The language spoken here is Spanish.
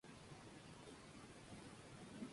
Al condado se le conoce como el hogar de los She.